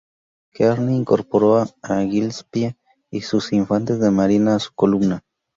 Kearny incorporó a Gillespie y sus infantes de marina a su columna.